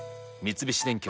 三菱電機